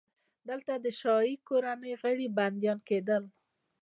دلته د شاهي کورنۍ غړي بندیان کېدل.